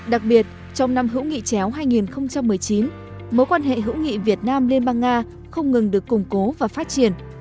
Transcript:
đặc biệt trong năm hữu nghị chéo hai nghìn một mươi chín mối quan hệ hữu nghị việt nam liên bang nga không ngừng được củng cố và phát triển